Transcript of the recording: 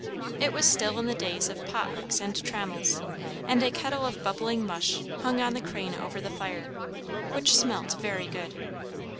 It was still the days of pot hooks and trammels, and a kettle of bubbling mush hung on the crane over the fire, which smelt very good.